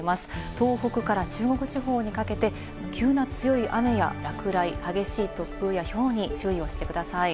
東北から中国地方にかけて、急な強い雨や落雷、激しい突風やひょうに注意をしてください。